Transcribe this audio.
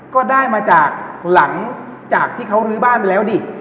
ก็ได้มาจากหลังจากที่เขาลื้อบ้านไปแล้วดิ